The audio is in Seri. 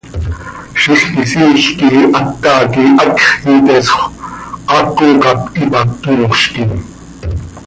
Zixquisiil quih ata quih hacx iteesxö, haaco cop ipac cöyoozquim.